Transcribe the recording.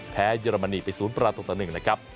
เยอรมนีไป๐ประตูต่อ๑นะครับ